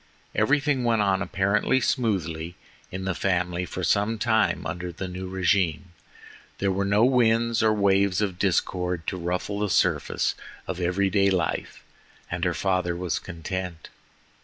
Everything went on apparently smoothly in the family for some time under the new regime; there were no winds or waves of discord to ruffle the surface of every day life, and the father was content.